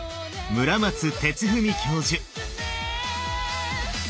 村松哲文教授。